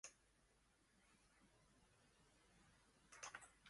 Les autres étaient fautifs, voilà!